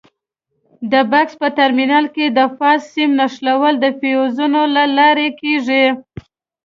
د بکس په ټرمینل کې د فاز سیم نښلول د فیوزونو له لارې کېږي.